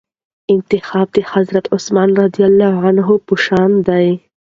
انتخاب د حضرت عثمان رضي الله عنه په شان دئ.